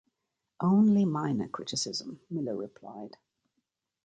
"Only minor criticism," Miller replied.